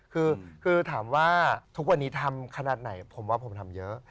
คือถามว่าทุกวันนี้ทำขนาดไหนผมว่าผมทำเยอะ